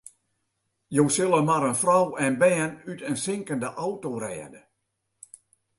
Jo sille mar in frou en bern út in sinkende auto rêde.